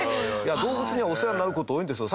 動物には、お世話になる事多いんですよ。